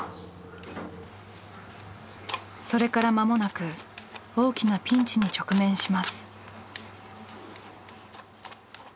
それから間もなく大きなピンチに直面します。